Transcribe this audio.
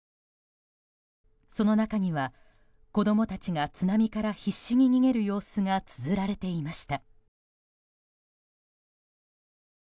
その中には、子供たちが津波から必死に逃げる様子がつづられていました。